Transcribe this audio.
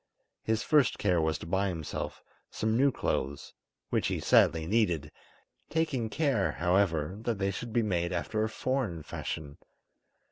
His first care was to buy himself some new clothes, which he sadly needed, taking care, however, that they should be made after a foreign fashion.